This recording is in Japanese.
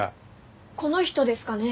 この人ですかね？